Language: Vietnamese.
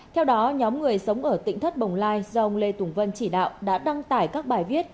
theo đó nhóm người sống ở tỉnh thất bồng lai do ông lê tùng vân chỉ đạo đã đăng tải các bài viết